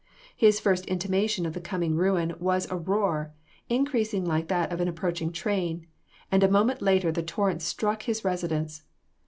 His first intimation of the coming ruin was a roar, increasing like that of an approaching train, and a moment later the torrent had struck his residence.